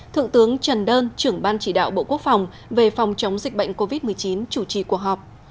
thượng tướng trần đơn trưởng ban chỉ đạo bộ quốc phòng về phòng chống dịch bệnh covid một mươi chín chủ trì cuộc họp